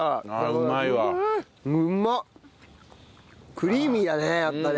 クリーミーだねやっぱね。